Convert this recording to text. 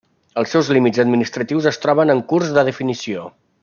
Els seus límits administratius es troben en curs de definició.